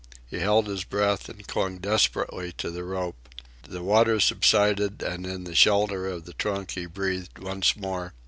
He held his breath and clung desperately to the rope. The water subsided, and in the shelter of the trunk he breathed once more.